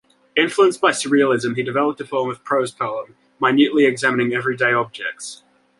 Influenced by surrealism, he developed a form of prose poem, minutely examining everyday objects.